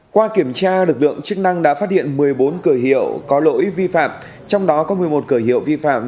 qua kiểm tra lực lượng chức năng đã phát hiện một mươi bốn cửa hiệu có lỗi vi phạm trong đó có một mươi một cửa hiệu vi phạm